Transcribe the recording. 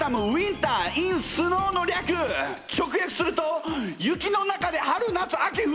直訳すると「雪の中で春夏秋冬」